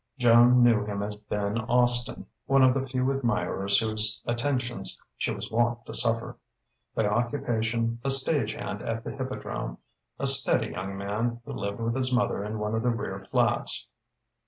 Joan knew him as Ben Austin, one of the few admirers whose attentions she was wont to suffer: by occupation a stage hand at the Hippodrome; a steady young man, who lived with his mother in one of the rear flats.